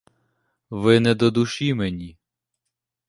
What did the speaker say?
Ви не до душі мені!